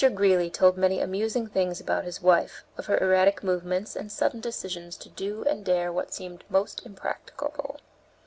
Greeley told many amusing things about his wife, of her erratic movements and sudden decisions to do and dare what seemed most impracticable.